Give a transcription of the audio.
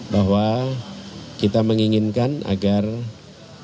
bahwa kita menginginkan agar praktek demokrasi kita berjalan dengan baik